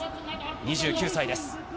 ２９歳です。